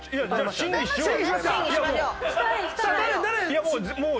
いやもう。